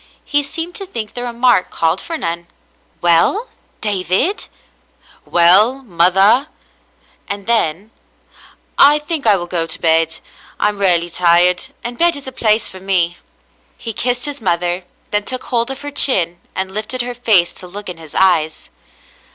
He seemed to think the remark called for none. " Well, David ?" "Well, mother ?" and then : "I think I will go to bed. I am rarely tired, and bed is the place for me." He kissed his mother, then took hold of her chin and lifted her face to look in his eyes.